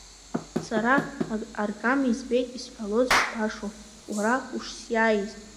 Сара аргама избеит исҳәалоз шбашоу, уара ушсиааиз…